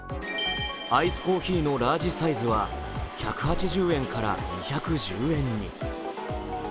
アイスコーヒーのラージサイズは１８０円から２１０円に。